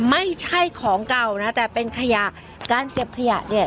ไม่ใช่ของเก่านะแต่เป็นขยะการเก็บขยะเนี่ย